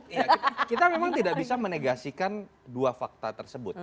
iya kita memang tidak bisa menegasikan dua fakta tersebut